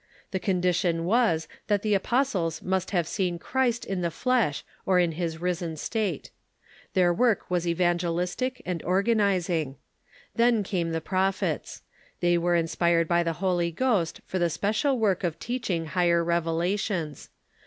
The con dition was that the apostles must have seen Christ in the flesh or in his risen state. Their Avork Avas evangelistic ^'pnj'hetT'* ^^^^ organizing. Then came the prophets. They were inspired by the Holy Ghost for the special work of teaching higher revelations.